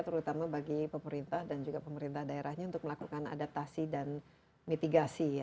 terutama bagi pemerintah dan juga pemerintah daerahnya untuk melakukan adaptasi dan mitigasi ya